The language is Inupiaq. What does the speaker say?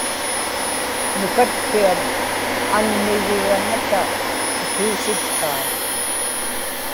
nukatpiam anmigiraŋata akiisitkaa